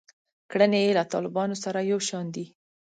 کړنې یې له طالبانو سره یو شان دي.